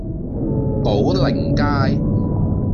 寶靈街